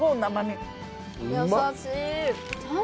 優しい。